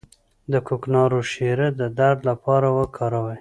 د کوکنارو شیره د درد لپاره وکاروئ